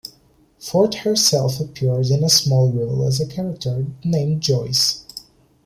Ford herself appeared in a small role as a character named Joyce.